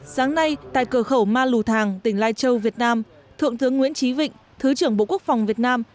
sáng nay tại cửa khẩu ma lù thàng tỉnh lai châu việt nam thượng tướng nguyễn trí vịnh thứ trưởng bộ quốc phòng việt nam